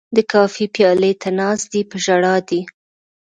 د کافي پیالې ته ناست دی په ژړا دی